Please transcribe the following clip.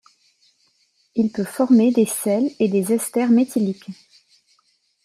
Il peut former des sels et des esters méthyliques.